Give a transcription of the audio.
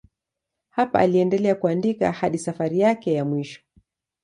Hapa aliendelea kuandika hadi safari yake ya mwisho.